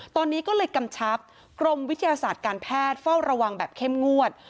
ตอนนี้ก็เลยกำชับกรมวิทยาศาสตร์การแพทย์เฝ้าระวังแบบเข้มงวด